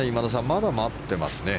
まだ待っていますね